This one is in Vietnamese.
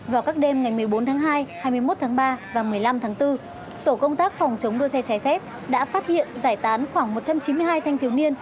vào các đêm ngày một mươi bốn tháng hai hai mươi một tháng ba và một mươi năm tháng bốn tổ công tác phòng chống đua xe trái phép đã phát hiện giải tán khoảng một trăm chín mươi hai thanh thiếu niên